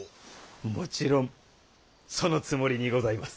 もちろんそのつもりにございます。